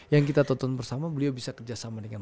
yang kita tonton bersama beliau bisa kerjasama dengan